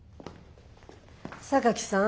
榊さん。